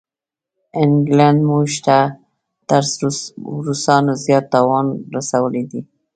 انګلینډ موږ ته تر روسانو زیات تاوان رسولی دی.